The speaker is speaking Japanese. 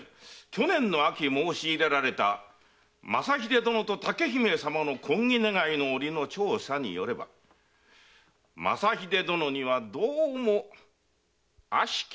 去年の秋申し入れられた正秀殿と竹姫様の婚儀願いの折の調査によれば正秀殿にはどうも悪しき結論が。